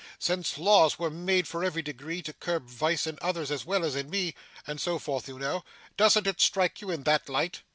Since laws were made for every degree, to curb vice in others as well as in me and so forth you know doesn't it strike you in that light?